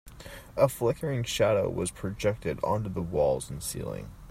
A flickering shadow was projected onto the walls and the ceiling.